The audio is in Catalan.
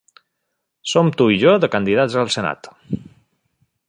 Som tu i jo de candidats al Senat.